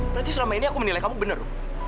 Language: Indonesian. berarti selama ini aku menilai kamu benar